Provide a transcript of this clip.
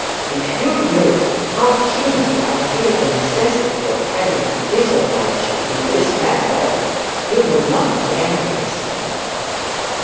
If you knew how keenly I feel the necessity of having to disoblige you in this matter, you would not be angry with me.'